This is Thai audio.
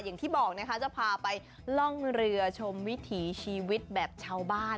อย่างที่บอกนะคะจะพาไปล่องเรือชมวิถีชีวิตแบบชาวบ้าน